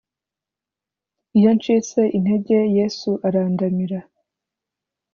Iyo ncitse intege, Yesu arandamira,